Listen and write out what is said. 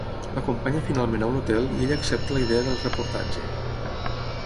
L'acompanya finalment a un hotel i ella accepta la idea del reportatge.